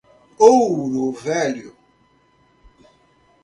Ouro Velho